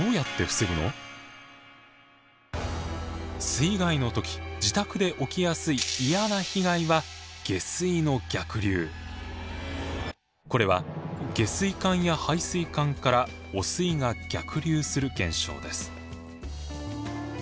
水害の時自宅で起きやすい嫌な被害はこれは下水管や排水管から汚水が逆流する現象です。